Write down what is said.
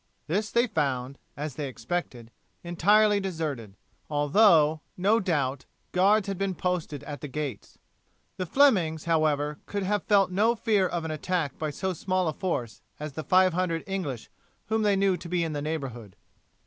This they found, as they expected, entirely deserted, although, no doubt, guards had been posted at the gates. The Flemings, however, could have felt no fear of an attack by so small a force as the five hundred English whom they knew to be in the neighbourhood.